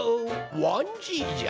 わんじいじゃ。